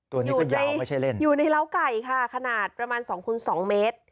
ตัวนี้ก็ยาวไม่ใช่เล่นอยู่ในเล้าไก่ค่ะขนาดประมาณ๒คูณสองเมตร